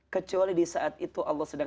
kecuali di saat itu allah sedang